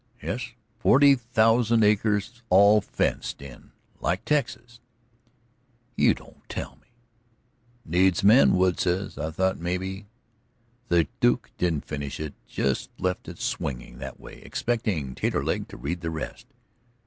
"Yes, forty thousand acres all fenced in, like Texas." "You don't tell me?" "Needs men, Wood says. I thought maybe " The Duke didn't finish it; just left it swinging that way, expecting Taterleg to read the rest.